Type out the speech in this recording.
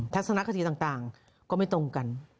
ทักษณะคศีรษฐ์ต่างก็ไม่ตรงกัน